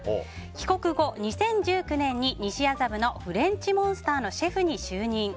帰国後、２０１９年に西麻布のフレンチモンスターのシェフに就任。